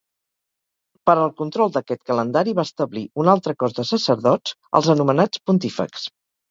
Per al control d'aquest calendari va establir un altre cos de sacerdots, els anomenats pontífexs.